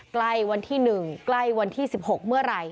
ใกล้วันที่๑ใกล้วันที่๑๖เมื่อไหร่